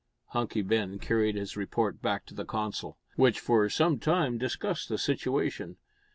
Hunky Ben carried his report back to the council, which for some time discussed the situation.